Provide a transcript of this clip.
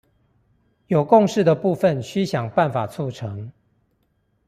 有共識的部分須想辦法促成